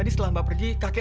mak pelan pelan begini oke